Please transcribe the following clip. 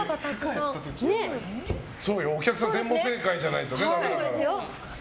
お客さん全問正解じゃないとダメだから。